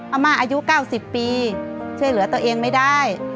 อาม่าอายุ๙๐ปีช่วยเหลือตัวเองไม่ได้